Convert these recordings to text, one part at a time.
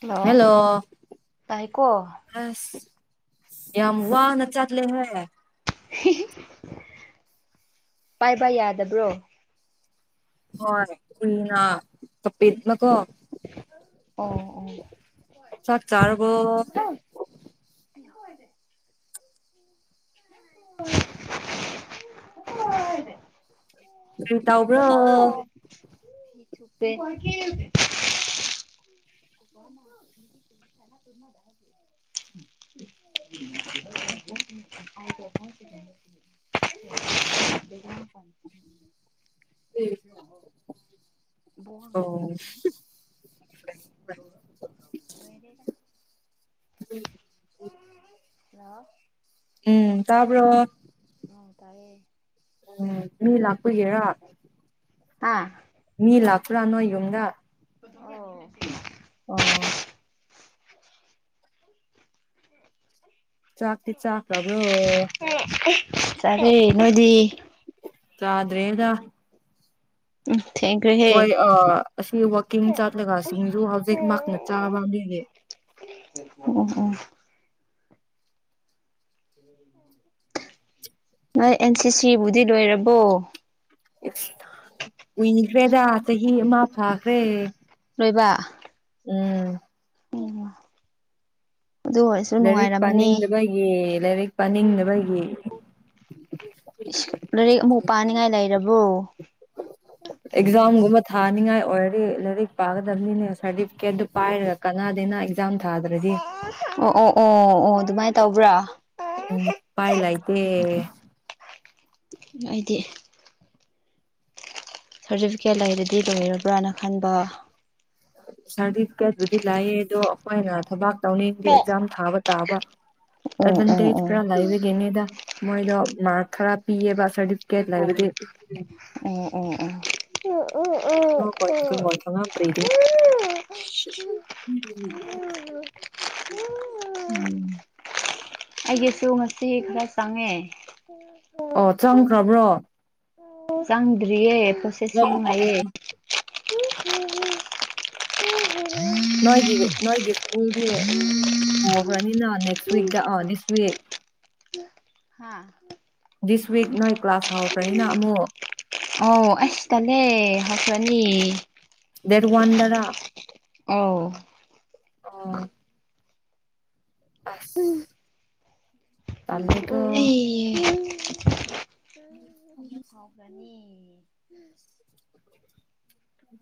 hello hello ꯇꯥꯏꯀꯣ ꯑꯁ ꯌꯥꯝ ꯋꯥꯅ ꯆꯠꯂꯦ ꯍꯦ ꯍꯤꯍꯤ ꯄꯥꯏꯕ ꯌꯥꯗꯕ꯭ꯔꯣ ꯍꯣꯏ ꯀꯨꯢꯅ ꯎꯝ [unintelligible] ꯆꯥꯛ ꯆꯥꯔꯕꯣ ꯎ [unintelligible] [unintelligible] ꯀꯔꯤꯇꯧꯕ꯭ꯔꯣ ꯊꯨꯞꯄꯦ [unintelligible] [unintelligible] ꯕꯣꯜ [unintelligible] ꯑ [unintelligible] ꯍꯜꯂꯣ ꯎꯝ ꯇꯥꯕ꯭ꯔꯣ ꯇꯥꯏꯌꯦ ꯎꯝ ꯃꯤꯂꯥꯛ ꯄꯨꯒꯤꯔ ꯍꯥ ꯃꯤ ꯂꯥꯛꯄ꯭ꯔꯥ ꯅꯣꯢ ꯌꯨꯝꯗ ꯑꯣ ꯑꯣ ꯆꯥꯛꯇꯤ ꯆꯥꯈ꯭ꯔꯕꯣ ꯆꯥꯔꯦ ꯅꯣꯏꯗꯤ ꯆꯥꯗ꯭ꯔꯤꯏꯗ ꯎꯝ ꯍꯣꯏ ꯊꯦꯡꯈ꯭ꯔꯦꯍꯦ ꯑꯥ ꯑꯁꯤ ꯋꯥꯛꯀꯤꯡ ꯆꯠꯂꯒꯁꯤꯡꯁꯨ ꯍꯧꯖꯤꯛ ꯃꯍꯥꯛꯅ ꯆꯥꯕ ꯃꯤꯒꯤ ꯑꯣ ꯑꯣ ꯅꯣꯏ ꯑꯦꯟ ꯁꯤ ꯁꯤꯕꯨꯗꯤ ꯂꯣꯏꯔꯕꯣ ꯀꯨꯏꯈ꯭ꯔꯦꯗ ꯆꯍꯤ ꯑꯃ ꯐꯥꯈ꯭ꯔꯦ ꯂꯣꯏꯕ ꯎꯝ ꯎꯝ ꯑꯗꯨ ꯑꯣꯏꯔꯁꯨ ꯂꯥꯏꯔꯤꯛ ꯅꯨꯡꯉꯥꯏꯔꯝꯃꯅꯤ ꯄꯥꯅꯤꯡꯗꯕꯒꯤ ꯂꯥꯏꯔꯤꯛ ꯄꯥꯅꯤꯡꯗꯕꯒꯤ ꯏꯁ ꯂꯥꯏꯔꯤꯛ ꯑꯃꯨꯛ ꯄꯥꯅꯤꯡꯉꯥꯏ ꯂꯩꯔꯕꯣ ꯑꯦꯛꯖꯝꯒꯨꯝꯕ ꯊꯥꯅꯤꯡꯉꯥꯏ ꯑꯣꯏꯔꯗꯤ ꯂꯥꯏꯔꯤꯛ ꯄꯥꯒꯗꯕꯅꯤꯅꯦ ꯁꯥꯔꯇꯤꯐꯤꯀꯦꯠꯇꯨ ꯄꯥꯏꯔꯒ ꯀꯅꯥꯗꯦꯅ ꯑꯦꯛꯖꯥꯝ ꯊꯥꯗ꯭ꯔꯗꯤ ꯑꯣ ꯑꯣ ꯑꯣ ꯑꯣ ꯑꯗꯨꯃꯥꯏꯅ ꯇꯧꯕ꯭ꯔꯥ ꯎꯝ ꯑꯩꯗꯤ ꯎꯄꯥꯏ ꯂꯩꯇꯦ ꯑꯩꯗꯤ ꯁꯥꯔꯇꯤꯐꯤꯀꯦꯠ ꯂꯩꯔꯗꯤ ꯂꯣꯏꯔꯕ꯭ꯔꯅ ꯈꯟꯕ ꯁꯥꯔꯗꯤꯐꯤꯀꯦꯠꯕꯨꯗꯤ ꯂꯥꯛꯑꯦ ꯑꯗꯣ ꯑꯈꯣꯏꯅ ꯊꯕꯛ ꯇꯧꯅꯤꯡꯗꯤ ꯑꯦꯛꯖꯥꯝ ꯊꯥꯕ ꯇꯥꯕ ꯑꯣ ꯑꯣ ꯑꯦꯠꯕꯟꯇꯦꯖ ꯈꯥꯔ ꯂꯥꯏꯕꯒꯤꯅꯤꯗ ꯃꯣꯏꯗꯣ ꯃꯥꯛ ꯈꯥꯔ ꯄꯤꯌꯦꯕ ꯁꯔꯇꯤꯐꯤꯀꯦꯠ ꯂꯩꯥꯔꯗꯤ ꯎꯝ ꯎꯝ ꯎ ꯎ ꯎ ꯎ ꯎ [unintelligible] ꯎꯝ ꯑꯩꯒꯤꯁꯨ ꯉꯁꯤ ꯈꯥꯔ ꯆꯪꯉꯦ ꯑꯣ ꯆꯪꯈ꯭ꯔꯕ꯭ꯔꯣ ꯆꯪꯗ꯭ꯔꯤꯌꯦ ꯄ꯭ꯔꯣꯁꯦꯁꯤꯡ ꯂꯩꯌꯦ ꯅꯣꯏꯒꯤꯒ ꯅꯣꯏꯒꯤ ꯁ꯭ꯀꯨꯜꯗꯤ ꯍꯧꯈ꯭ꯔꯥꯅꯤꯅ ꯅꯦꯛꯁ ꯋꯤꯛ ꯗ ꯑꯥ ꯅꯦꯛꯁꯋꯤꯛ ꯍꯥ ꯗꯤꯁ ꯋꯤꯛ ꯅꯣꯏ ꯀ꯭ꯂꯥꯁ ꯍꯧꯈ꯭ꯔꯦꯅ ꯑꯃꯨꯛ ꯑꯣ ꯑꯁ ꯇꯜꯂꯦ ꯍꯧꯈ꯭ꯔꯅꯤ ꯗꯦꯠ ꯋꯥꯟꯗꯔ ꯑꯧ ꯑꯥ ꯑꯁ ꯇꯜꯂꯦꯀꯣ ꯑꯩ ꯑꯃꯨꯛ [inaudible] ꯍꯧꯈ꯭ꯔꯅꯤ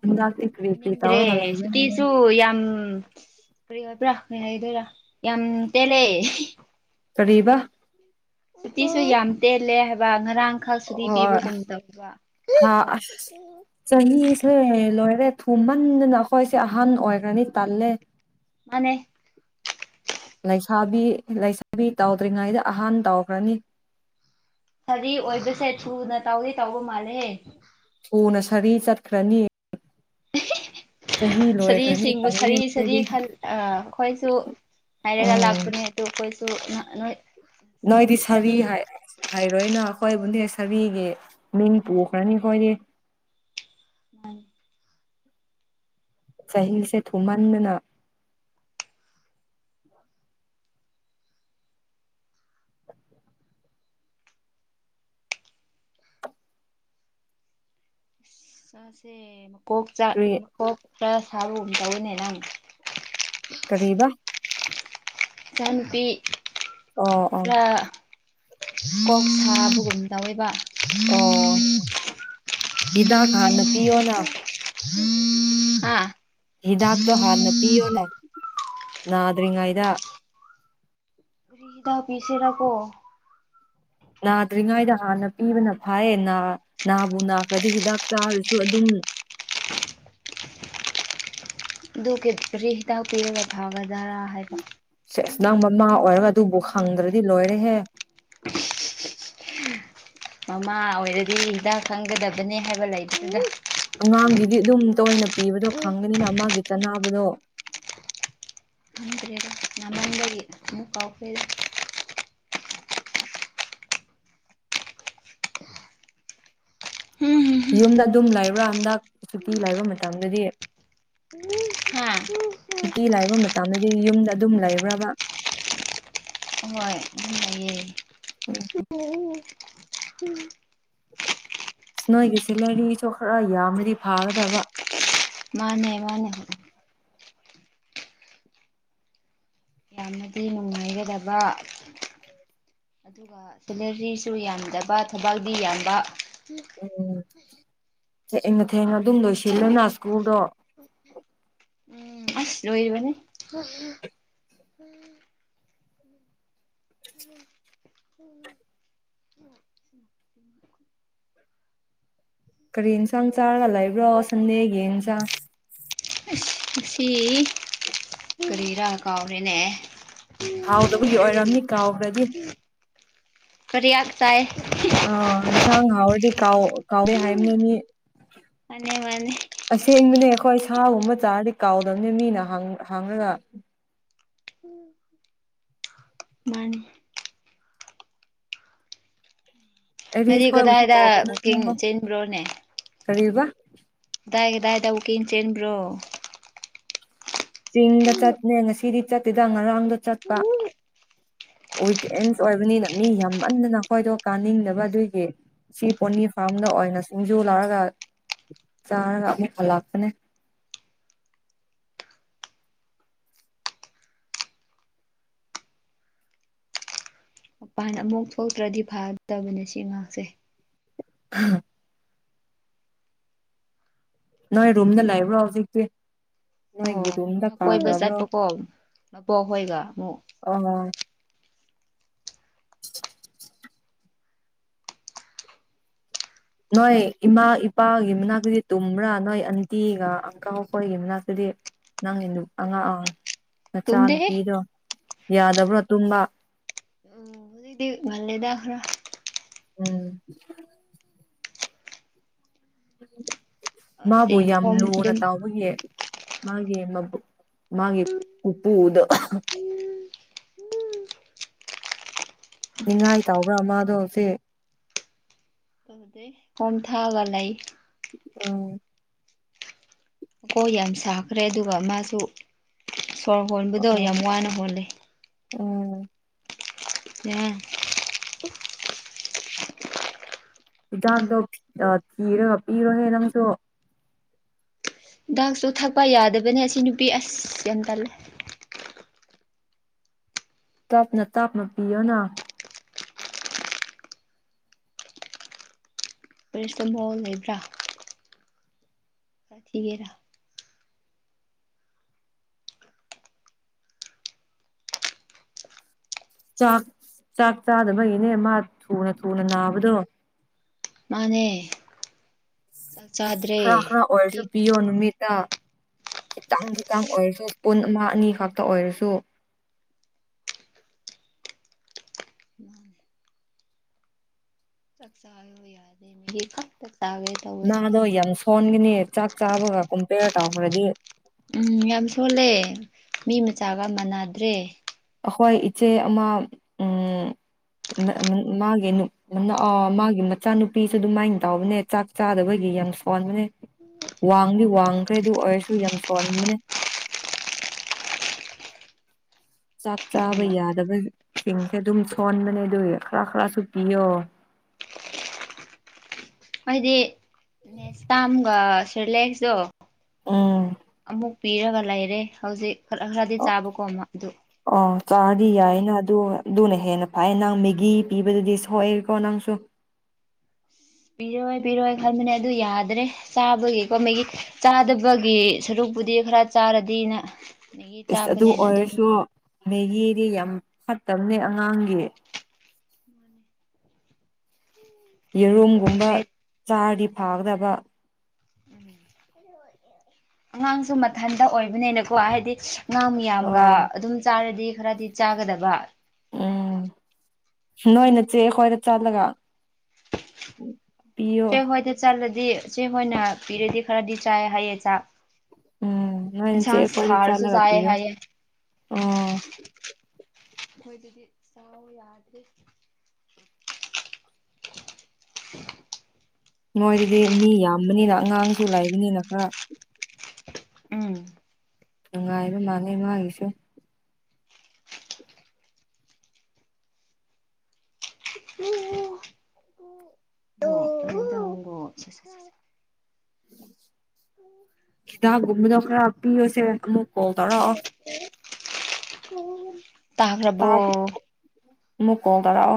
ꯃꯤꯂꯛꯇꯦ ꯀꯔꯤ ꯀꯔꯤ ꯅꯤꯡꯗ꯭ꯔꯦ ꯇꯧꯔꯒ ꯂꯩꯕ꯭ꯔꯅꯦ ꯁꯨꯇꯤꯁꯨ ꯌꯥꯝ ꯎꯝ ꯀꯔꯤ ꯍꯥꯏꯕ꯭ꯔꯥ ꯀꯔꯤ ꯍꯥꯏꯗꯣꯏꯔ ꯌꯥꯝ ꯇꯦꯜꯂꯦ ꯀꯔꯤꯕ ꯎꯇꯤꯁꯨ ꯌꯥꯝ ꯇꯦꯜꯂꯦ ꯍꯥꯏꯕ ꯉꯔꯥꯡ ꯑꯣ ꯊꯥ ꯑꯁ ꯆꯍꯤꯁꯦ ꯂꯣꯏꯔꯦ ꯊꯨꯝꯃꯟꯗꯅ ꯑꯈꯣꯏꯁꯦ ꯑꯍꯟ ꯑꯣꯏꯈ꯭ꯔꯅꯤ ꯇꯜꯂꯦ ꯃꯥꯟꯅꯦ ꯂꯩꯁꯥꯕꯤ ꯂꯩꯁꯥꯕꯤ ꯇꯧꯗ꯭ꯔꯤꯉꯩꯗ ꯑꯍꯥꯟ ꯇꯧꯈ꯭ꯔꯅꯤ ꯐꯥꯗꯤ ꯑꯣꯏꯕꯁꯦ ꯊꯨꯅ ꯇꯧꯗꯤ ꯇꯧꯕ ꯃꯥꯜꯂꯦꯍꯦ ꯎꯅꯁꯥꯔꯤ ꯆꯠꯈ꯭ꯔꯅꯤ ꯆꯍꯤ ꯁꯔꯤ ꯂꯣꯏꯈ꯭ꯔꯅꯤ ꯁꯤꯡꯕꯨ ꯇꯜꯂꯦ ꯁꯔꯤ ꯁꯔꯤ ꯅꯣꯏꯗꯤ ꯈꯟ ꯑꯥ ꯑꯈꯣꯏꯁꯨ ꯍꯥꯏꯔꯒ ꯎꯝ ꯂꯥꯛꯄꯅꯦ ꯇꯨ ꯈꯣꯏꯁꯨ ꯅꯣꯏ ꯅꯣꯏꯗꯤ ꯁꯥꯔꯤ ꯀꯔꯤ ꯍꯥꯏ ꯍꯥꯏꯔꯣꯏꯅ ꯑꯈꯣꯏꯕꯨꯅꯦ ꯁꯥꯔꯤꯒꯤ ꯃꯤꯡ ꯄꯨꯈ꯭ꯔꯅꯤ ꯈꯣꯏꯗꯤ ꯎꯝ ꯆꯍꯤꯁꯦ ꯊꯨꯃꯟꯗꯅ ꯏꯆꯥꯁꯦ ꯃꯀꯣꯛ ꯆꯥ ꯀꯔꯤ ꯃꯀꯣꯛꯇ ꯁꯥꯕꯒꯨꯝ ꯇꯧꯕꯅꯤ ꯅꯪ ꯀꯔꯤꯕ ꯏꯆꯥꯅꯨꯄꯤ ꯑꯣ ꯑꯣ ꯈꯔ ꯀꯣꯛ ꯁꯥꯕꯒꯨꯝ ꯇꯧꯋꯦꯕ ꯑꯣ ꯍꯤꯗꯥꯛ ꯍꯥꯟꯅ ꯄꯤꯌꯣꯅ ꯍꯥ ꯍꯤꯗꯥꯛꯇꯣ ꯍꯥꯥꯟꯅ ꯄꯤꯌꯣꯅꯦ ꯅꯥꯗ꯭ꯔꯤꯉꯩꯗ ꯀꯔꯤ ꯍꯤꯗꯥꯛ ꯄꯤꯁꯦꯔꯀꯣ ꯅꯥꯗ꯭ꯔꯤꯉꯩꯗ ꯍꯥꯟꯅ ꯄꯤꯕꯅ ꯐꯥꯏꯌꯦ ꯅꯥ ꯅꯥꯕꯨ ꯅꯥꯈ꯭ꯔꯗꯤ ꯍꯤꯗꯥꯛ ꯆꯥꯔꯁꯨ ꯑꯗꯨꯝ [inaudible] ꯑꯗꯨꯒꯤ ꯀꯔꯤ ꯍꯤꯗꯥꯛ ꯄꯤꯔꯒ ꯐꯒꯗꯔ ꯍꯥꯏꯕ ꯑꯁ ꯅꯪ ꯃꯃꯥ ꯑꯣꯏꯔꯒ ꯑꯗꯨꯕꯨ ꯈꯪꯗ꯭ꯔꯗꯤ ꯂꯣꯏꯔꯦꯍꯦ ꯃꯃꯥ ꯑꯣꯏꯔꯗꯤ ꯍꯤꯗꯥꯛ ꯈꯪꯒꯗꯕꯅꯦ ꯍꯥꯏꯕ ꯂꯩꯇꯦꯗ ꯑꯉꯥꯡꯒꯤꯗꯤ ꯗꯨꯝ ꯇꯣꯏꯅ ꯄꯤꯕꯗꯣ ꯈꯪꯒꯅꯤꯅ ꯃꯥꯒꯤ ꯆꯥꯟꯅꯕꯗꯣ ꯈꯪꯗ꯭ꯔꯦꯗ ꯌꯥꯝꯃꯟꯕꯩ ꯑꯃꯨꯛ ꯀꯥꯎꯈ꯭ꯔꯦꯗ ꯍꯝ ꯌꯨꯝꯗ ꯑꯗꯨꯝ ꯂꯩꯕ꯭ꯔꯥ ꯍꯟꯗꯛ ꯁꯨꯇꯤ ꯂꯩꯕ ꯃꯇꯝꯗꯗꯤ ꯍꯥ ꯌꯥꯝꯅꯗꯤ ꯌꯨꯝꯗ ꯑꯗꯨꯝ ꯂꯩꯕ꯭ꯔꯕꯥ ꯍꯣꯏ ꯑꯗꯨꯝ ꯂꯩꯑꯦ ꯅꯣꯏꯒꯤꯁꯤ ꯂꯔꯤꯁꯨ ꯈꯔ ꯌꯥꯝꯕꯗꯤ ꯐꯥꯒꯗꯕ ꯃꯥꯟꯅꯦ ꯃꯥꯟꯅꯦ ꯌꯥꯝꯅꯗꯤ ꯅꯨꯡꯉꯥꯏꯒꯗꯕ ꯑꯗꯨꯒ ꯁꯦꯂꯔꯤꯁꯨ ꯌꯥꯝꯗꯕ ꯊꯕꯛꯗꯤ ꯌꯥꯝꯕ ꯎꯝ ꯊꯦꯡꯅ ꯊꯦꯡꯅ ꯑꯗꯨꯝ ꯂꯣꯏꯁꯤꯜꯂꯅ ꯁ꯭ꯀꯨꯜꯗꯣ [inaudible] ꯑꯁ ꯂꯣꯏꯔꯤꯕꯅꯦ ꯀꯔꯤ ꯏꯟꯁꯥꯡ ꯆꯥꯔꯒ ꯂꯩꯕ꯭ꯔꯣ ꯁꯟꯗꯦꯒꯤ ꯏꯟꯁꯥꯡ ꯉꯁꯤ ꯀꯔꯤꯔꯥ ꯀꯥꯎꯔꯦꯅꯦ ꯍꯥꯎꯗꯕꯒꯤ ꯑꯣꯏꯔꯝꯅꯤ ꯀꯥꯎꯒ꯭ꯔꯗꯤ ꯀꯔꯤ ꯌꯥꯠꯆꯥꯏ ꯑꯦ ꯑꯥ ꯏꯟꯁꯥꯡ ꯍꯥꯎꯔꯗꯤ ꯀꯥꯎ ꯀꯥꯎꯔꯦ ꯍꯥꯏꯝꯅꯦꯃꯤ ꯃꯥꯟꯅꯦ ꯃꯥꯟꯅꯦ ꯁꯦꯡꯕꯅꯦ ꯑꯈꯣꯏ ꯁꯥꯒꯨꯝꯕ ꯆꯥꯔꯗꯤ ꯀꯥꯎꯗꯕꯅꯦ ꯃꯤꯅ ꯍꯪ ꯍꯪꯔꯒ ꯃꯥꯅꯤ ꯅꯪꯗꯤ ꯑꯦꯔꯤꯁ ꯈꯣꯏꯕꯨꯁꯨ ꯀꯗꯥꯏꯗ ꯀꯥꯎꯕꯅꯦ ꯋꯥꯛꯀꯤꯡ ꯆꯦꯟꯕ꯭ꯔꯣꯅꯦ ꯀꯔꯤꯕ ꯇꯥꯏ ꯇꯥꯏ ꯋꯥꯛꯀꯤꯡ ꯆꯦꯟꯕ꯭ꯔꯣ ꯆꯤꯡꯗ ꯆꯠꯅꯦ ꯉꯁꯤꯗꯤ ꯆꯠꯇꯦꯗ ꯉꯔꯥꯡꯗ ꯆꯠꯄ ꯑꯣꯏꯗꯦꯟꯁ ꯑꯣꯏꯕꯅꯤꯅ ꯃꯤ ꯌꯥꯝꯃꯟꯗ ꯑꯈꯣꯏꯗꯣ ꯀꯥꯅꯤꯡꯗꯕ ꯑꯗꯨꯒꯤ ꯁꯤ ꯄꯣꯅꯤ ꯐꯥꯔꯝꯗ ꯑꯣꯏꯅ ꯁꯤꯡꯖꯨ ꯂꯧꯔꯒ ꯆꯥꯔꯒ ꯑꯃꯨꯛ ꯍꯂꯛꯄꯅꯦ [inaudible] ꯃꯄꯥꯟ ꯑꯃꯨꯛ ꯊꯣꯛꯇ꯭ꯔꯗꯤ ꯐꯒꯗꯕꯅꯦ ꯁꯤ ꯑꯉꯥꯡꯁꯦ ꯍꯥ ꯅꯣꯏ ꯔꯨꯝꯗ ꯂꯩꯕ꯭ꯔꯣ ꯍꯧꯖꯤꯛꯇꯤ ꯑꯣ ꯅꯣꯏꯒꯤ ꯔꯨꯝꯗ ꯃꯥ ꯀꯣꯏꯕ ꯀꯥꯈ꯭ꯔꯕ꯭ꯔꯣ ꯆꯠꯄꯀꯣ ꯃꯕꯣꯛ ꯍꯣꯏꯒ ꯑꯃꯨꯛ ꯑꯣ ꯅꯣꯏ ꯏꯃꯥ ꯏꯄꯥꯒꯤ ꯃꯅꯥꯛꯇꯗꯤ ꯇꯨꯝꯕ꯭ꯔꯥ ꯅꯣꯏ ꯑꯟꯇꯤꯒ ꯑꯪꯀꯜ ꯃꯈꯣꯏꯒꯤ ꯃꯅꯥꯛꯇꯗꯤ ꯅꯪꯒꯤ ꯅꯨ ꯑꯉꯥꯡ ꯑꯥ ꯅꯆꯥ ꯇꯨꯝꯗꯦꯍꯦ ꯅꯨꯨꯄꯤꯗꯣ ꯌꯥꯗꯕ꯭ꯔꯣ ꯇꯨꯝꯕ ꯎꯝ ꯍꯧꯖꯤꯛꯇꯤ ꯉꯜꯂꯦꯗ ꯈꯥꯔ ꯎꯝ ꯑꯁꯤ ꯃꯥꯕꯨ ꯌꯥꯝ ꯈꯣꯝ ꯂꯨꯅ ꯑꯗꯨꯝ ꯇꯧꯕꯒꯤ ꯃꯥꯒꯤ ꯃꯕꯨꯛ ꯃꯥꯒꯤ ꯄꯨꯄꯨꯗꯣ ꯅꯤꯡꯉꯥꯏ ꯇꯥꯎꯕ꯭ꯔꯥ ꯃꯥꯗꯣ ꯍꯧꯖꯤꯛ ꯇꯧꯗꯦ ꯈꯣꯝ ꯊꯛꯑꯒ ꯂꯩ ꯎꯝ ꯀꯣꯛ ꯌꯥꯝ ꯁꯥꯈ꯭ꯔꯦ ꯑꯗꯨꯒ ꯃꯥꯁꯨ ꯁꯣꯔ ꯍꯣꯟꯕꯗꯣ ꯎꯝ ꯌꯥꯝ ꯋꯥꯅ ꯍꯣꯜꯂꯦ ꯎꯝ [unintelligible] ꯌꯥꯏ ꯍꯤꯗꯥꯛꯇꯣ ꯑꯥ ꯊꯤꯔꯒ ꯄꯤꯔꯣꯅꯦ ꯅꯪꯁꯨ ꯍꯤꯗꯥꯛꯁꯨ ꯊꯛꯄ ꯌꯥꯗꯕꯅꯦ ꯑꯁꯤ ꯅꯨꯄꯤ ꯑꯁ ꯌꯥꯝ ꯇꯜꯂꯦ ꯇꯞꯅ ꯇꯞꯅ ꯄꯤꯌꯣꯅ ꯄꯔꯤꯁꯇ ꯕꯣꯜ ꯂꯩꯕ꯭ꯔꯥ ꯆꯥꯛ ꯊꯤꯒꯦꯔꯥ ꯆꯥꯛ ꯆꯥꯛ ꯆꯥꯗꯕꯒꯤꯅꯦ ꯃꯥ ꯊꯨꯅ ꯊꯨꯅ ꯅꯥꯕꯗꯣ ꯃꯥꯅꯦ ꯆꯥꯛ ꯆꯥꯗ꯭ꯔꯦ ꯈꯔ ꯈꯔ ꯑꯣꯏꯔꯁꯨ ꯃꯦꯒꯤ ꯄꯤꯌꯣ ꯅꯨꯃꯤꯠꯇ ꯈꯤꯇꯪ ꯈꯤꯇꯪ ꯑꯣꯏꯔꯁꯨ ꯏꯁꯄꯨꯟ ꯑꯃ ꯑꯅꯤ ꯈꯛꯇ ꯑꯣꯏꯔꯁꯨ [inaudible] ꯃꯥꯅꯦ ꯆꯥꯛ ꯆꯥꯎ ꯌꯥꯗꯦ ꯃꯦꯒꯤ ꯈꯛꯇ ꯆꯥꯒꯦ ꯇꯧꯋꯦ ꯃꯥꯗꯣ ꯌꯥꯝ ꯁꯣꯟꯒꯅꯤ ꯆꯥꯛ ꯆꯥꯕꯒ ꯀꯨꯝꯄꯦꯌꯔ ꯇꯧꯈ꯭ꯔꯗꯤ ꯎꯝ ꯌꯥꯝ ꯁꯣꯜꯂꯦ ꯃꯤ ꯃꯆꯥꯒ ꯃꯥꯟꯅꯗ꯭ꯔꯦ ꯑꯈꯣꯏ ꯏꯆꯦ ꯑꯃ ꯎꯝ [unintelligible] ꯃꯥꯒꯤ ꯑꯣ ꯃꯥꯒꯤ ꯃꯆꯥꯅꯨꯄꯤꯁꯨ ꯑꯗꯨꯃꯥꯏꯅ ꯇꯧꯕꯕꯅꯦ ꯆꯥꯛ ꯆꯥꯗꯕꯒꯤ ꯌꯥꯝ ꯁꯣꯟꯕꯅꯦ ꯋꯥꯡꯗꯤ ꯋꯥꯡꯈ꯭ꯔꯦ ꯑꯗꯨ ꯑꯣꯏꯔꯁꯨ ꯌꯥꯝ ꯁꯣꯟꯕꯅꯦ [inaudible] ꯆꯥꯛ ꯆꯥꯕ ꯌꯥꯗꯕ ꯁꯤꯡꯁꯦ ꯑꯗꯨꯝ ꯁꯣꯟꯕꯅꯦ ꯑꯗꯨꯒꯤ ꯈꯔ ꯈꯔꯁꯨ ꯄꯤꯌꯣ [inaudible] ꯍꯥꯏꯗꯤ ꯅꯦꯛꯁꯄꯥꯝꯒ ꯁꯦꯔꯤꯂꯦꯛꯁꯇꯣ ꯎꯝ ꯑꯃꯨꯛ ꯄꯤꯔꯒ ꯂꯩꯔꯦ ꯍꯧꯖꯤꯛ ꯈꯔ ꯈꯔꯗꯤ ꯑꯣ ꯆꯥꯕ ꯀꯣꯝꯃ ꯑꯗꯨ ꯑꯣ ꯆꯥꯔꯗꯤ ꯑꯗꯨꯒꯤ ꯌꯥꯏꯅ ꯑꯗꯨ ꯑꯗꯨꯅ ꯍꯦꯟꯅ ꯍꯥꯏ ꯅꯪ ꯃꯦꯒꯤ ꯄꯤꯕꯗꯨꯗꯤ ꯁꯣꯏꯑꯦꯀꯣ ꯅꯪꯁꯨ ꯄꯤꯔꯣꯏ ꯄꯤꯔꯣꯏ ꯈꯟꯕꯅꯦ ꯑꯗꯨ ꯌꯥꯗ꯭ꯔꯦ ꯆꯥꯕꯒꯤꯀꯣ ꯃꯒꯤ ꯆꯥꯗꯕꯒꯤ ꯁꯔꯨꯛ ꯕꯨꯗꯤ ꯈꯔ ꯆꯥꯔꯗꯤꯅ ꯃꯦꯒꯤ ꯏꯁ ꯑꯗꯨ ꯆꯥꯕꯅꯦꯅ ꯑꯗꯨꯝ ꯑꯣꯏꯔꯁꯨ ꯃꯦꯒꯤꯗꯤ ꯌꯥꯝ ꯐꯠꯇꯕꯅꯦ ꯑꯉꯥꯡꯒꯤ ꯌꯦꯔꯨꯝꯒꯨꯝꯕ ꯈꯪꯗ꯭ꯔꯦ ꯆꯥꯔꯗꯤ ꯐꯒꯗꯕ ꯎꯝ ꯑꯉꯥꯡꯁꯨ ꯃꯊꯟꯇ ꯑꯣꯏꯕꯅꯤꯅꯀꯣ ꯍꯥꯏꯗꯤ ꯉꯥꯡ ꯃꯌꯥꯝꯒ ꯑꯥ ꯑꯗꯨꯝ ꯆꯥꯔꯗꯤ ꯈꯔꯗꯤ ꯆꯥꯒꯗꯕ ꯎꯝ ꯅꯣꯏꯅ ꯆꯦ ꯈꯣꯏꯗ ꯆꯠꯂꯒ ꯄꯤꯌꯣ ꯆꯦ ꯍꯣꯏꯗ ꯆꯠꯂ ꯗꯤ ꯆꯦꯈꯣꯏꯅ ꯄꯤꯔꯗꯤ ꯈꯔꯗꯤ ꯆꯥꯏ ꯍꯥꯏꯌꯦ ꯆꯥꯛ ꯎꯝ ꯅꯣꯏ ꯅꯆꯦ ꯏꯟꯁꯥꯟ ꯑꯩꯈꯣꯏꯗ ꯁꯔꯁꯨ ꯆꯠꯂꯒ ꯆꯥꯏꯌꯦ ꯄꯤꯌꯣ ꯍꯥꯏꯌꯦ ꯑꯣ ꯑꯩꯈꯣꯏꯗꯨꯗꯤ ꯆꯥꯎ ꯌꯥꯗ꯭ꯔꯦ [inaudible] ꯅꯣꯏꯗꯗꯤ ꯃꯤ ꯌꯥꯝꯕꯅꯤꯅ ꯑꯉꯥꯡꯁꯨ ꯂꯩꯕꯅꯤꯅ ꯈꯔ ꯎꯝ ꯅꯨꯡꯉꯥꯏꯕ ꯑꯗꯨꯒꯤ ꯃꯥꯅꯦ ꯃꯥꯒꯤꯁꯨ [unintelligible] ꯈꯤꯗꯥꯛꯒꯨꯝꯕꯗ ꯈꯔ ꯄꯤꯔꯁꯦ ꯑꯃꯨꯛ ꯀꯣꯜ ꯇꯧꯔꯛꯑꯣ ꯇꯥꯈ꯭ꯔꯕꯣ ꯇꯥ ꯑꯃꯨꯛ ꯀꯣꯜ ꯇꯧꯔꯛꯑꯣ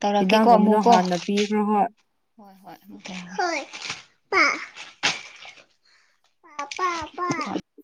ꯇꯧꯔꯛꯀꯦꯀꯣ ꯍꯤꯗꯥꯛꯒꯨꯝꯕꯗꯣ ꯑꯃꯨꯛꯀꯣ ꯍꯥꯟꯅ ꯄꯤꯈ꯭ꯔꯣ ꯍꯣꯏ ꯍꯣꯏ ꯍꯣꯏ ꯑꯃ ꯃꯨꯛ ꯄꯥ ꯄꯥ ꯄꯥ ꯄꯥ